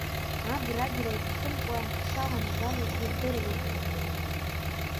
Абрагьра иҭахымкәа дшаланагалазгьы здыруеит.